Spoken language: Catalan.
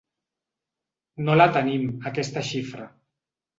No la tenim, aquesta xifra.